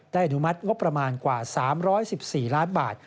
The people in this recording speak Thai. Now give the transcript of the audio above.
อนุมัติงบประมาณกว่า๓๑๔ล้านบาท